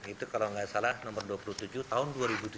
itu kalau nggak salah nomor dua puluh tujuh tahun dua ribu tujuh belas